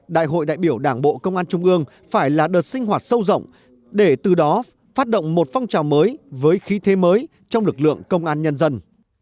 đại hội đại biểu đảng bộ công an trung ương phải là đợt sinh hoạt sâu rộng để từ đó phát động một phong trào mới với khí thế mới trong lực lượng công an nhân dân